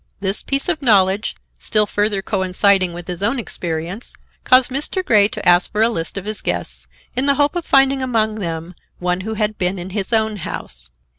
This piece of knowledge, still further coinciding with his own experience, caused Mr. Grey to ask for a list of his guests, in the hope of finding among them one who had been in his own house.